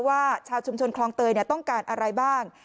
ว่าชาวชุมชนคลองเตยต้องการอะไรบ้าง